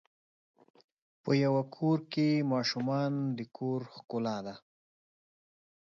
په یوه کور کې ماشومان د کور ښکلا ده.